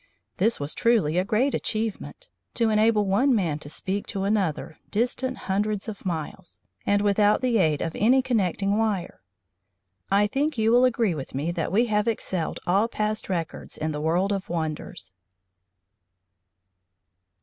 This was truly a great achievement to enable one man to speak to another distant hundreds of miles, and without the aid of any connecting wire. I think you will agree with me that we have excelled all past records in the world of wonders.